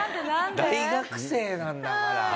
大学生なんだから。